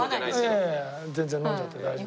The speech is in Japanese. いやいや全然飲んじゃって大丈夫。